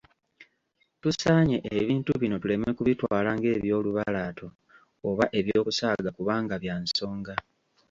Tusaanye ebintu bino tuleme kubitwala ng'ebyolubalaato oba eby'okusaaga kubanga bya nsonga.